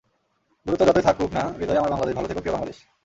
দূরত্ব যতই থাকুক না, হৃদয়ে আমার বাংলাদেশ, ভালো থেকো প্রিয় বাংলাদেশ।